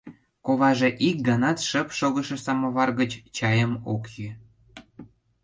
Коваже ик ганат шып шогышо самовар гыч чайым ок йӱ.